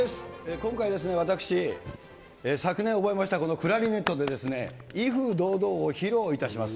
今回ですね、私、昨年覚えました、このクラリネットで威風堂々を披露いたします。